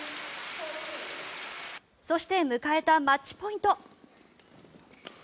そして迎えたマッチポイント。